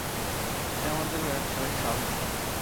এতে আমাদের ব্যবসায় সাহায্য হবে।